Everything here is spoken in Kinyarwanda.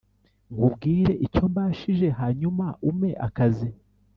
Nkubwire icyo mbashije hanyuma ume akazi